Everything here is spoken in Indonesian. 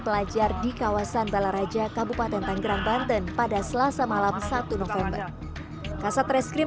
pelajar di kawasan balaraja kabupaten tanggerang banten pada selasa malam satu november kasat reskrim